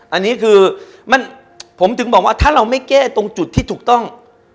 อันนี้คือผมถึงบอกว่าถ้าเราไม่แก้ตรงจุดที่ถูกต้อง